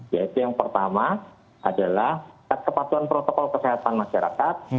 yaitu yang pertama adalah kepatuhan protokol kesehatan masyarakat